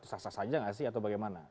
sasa saja gak sih atau bagaimana